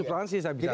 substansi saya bicara